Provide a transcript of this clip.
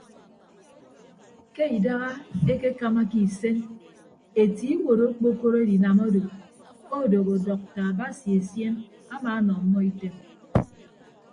Ke idaha ekekamake isen etie iwuot okpokoro edinam odo odooho dọkta basi esien amaanọ ọmmọ item.